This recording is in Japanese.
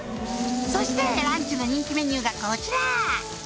「そしてランチの人気メニューがこちら！」